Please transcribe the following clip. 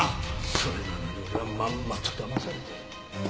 それなのに俺はまんまとだまされて。